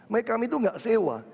mereka itu gak sewa